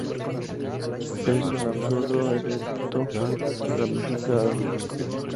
Es un arbusto erecto ramificado.